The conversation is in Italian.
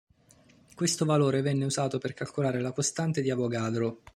Questo valore venne usato per calcolare la costante di Avogadro.